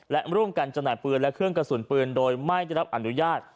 และร่วมกันจำหน่ายปืนและเครื่องกระสุนปืนโดยไม่ได้รับอนุญาต